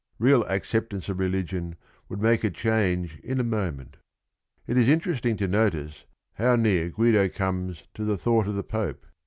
Real accept ance of religion would make a change in a mo ment. It is interesting to notice how near Guido comes to the thought of the Pope.